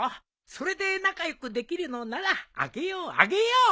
それで仲良くできるのならあげようあげよう。